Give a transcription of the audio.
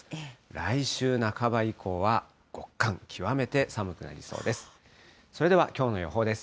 来週半ば以降は、極寒、極めて寒くなりそうです。